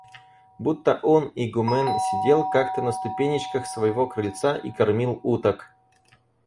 Будто он, игумен, сидел как-то на ступенечках своего крыльца и кормил уток.